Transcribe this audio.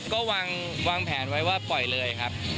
ก็วางแผนไว้ว่าปล่อยเลยครับ